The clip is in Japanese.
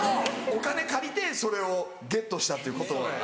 お金借りてそれをゲットしたっていうことは。